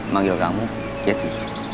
manggil kamu jesse